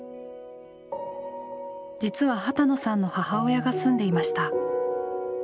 実は波多野さんの母親が住んでいました。